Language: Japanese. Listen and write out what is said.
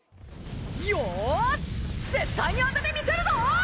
よし絶対に当ててみせるぞ！